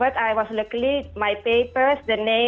tapi saya beruntung